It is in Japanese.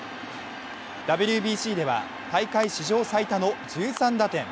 ＷＢＣでは大会史上最多の１３打点。